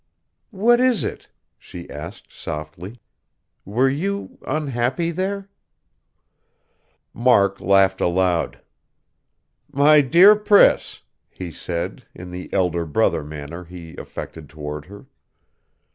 "What is it?" she asked softly. "Were you unhappy there?" Mark laughed aloud. "My dear Priss," he said, in the elder brother manner he affected toward her.